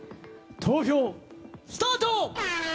投票スタート！